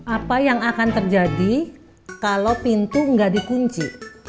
apa yang akan terjadi kalau pintu nggak dikunci